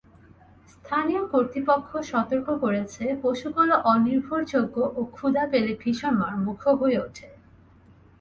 স্থানীয় কর্তৃপক্ষ সতর্ক করেছে পশুগুলো অনির্ভরযোগ্য ও ক্ষুধা পেলে ভীষণ মারমুখো হয়ে ওঠে।